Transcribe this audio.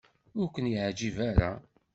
Ur ken-iɛejjeb ara.